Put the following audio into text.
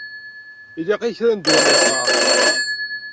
Ilaq-iyi kra n ddwa n leqriḥ.